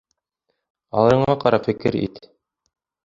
Алырыңа ҡарап фекер ит.